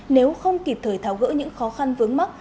nếu không kịp thời tháo gỡ những khó khăn vướng mắt